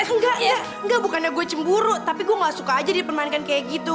enggak ya enggak bukannya gue cemburu tapi gue gak suka aja dipermainkan kayak gitu